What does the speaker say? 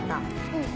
うん。